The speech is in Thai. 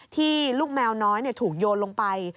ที่ลูกแมวน้อยถูกโยนลงไป